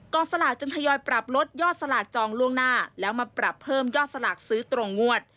สลากจึงทยอยปรับลดยอดสลากจองล่วงหน้าแล้วมาปรับเพิ่มยอดสลากซื้อตรงงวด